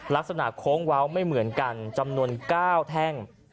โค้งเว้าไม่เหมือนกันจำนวน๙แท่ง